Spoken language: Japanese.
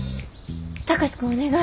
貴司君お願い！